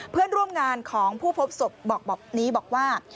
เพื่อนร่วมงานของผู้พบศพบอกแบบนี้บอกว่า